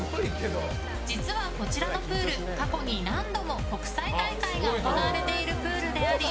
実はこちらのプール過去に何度も国際大会が行われているプールであり